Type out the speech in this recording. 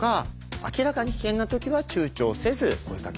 明らかに危険な時は躊躇せず声かけなどお願いいたします。